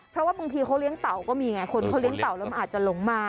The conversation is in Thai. เพราะว่าบางทีเขาเลี้ยงเต่าก็มีไงคนเขาเลี้ยเต่าแล้วมันอาจจะหลงมา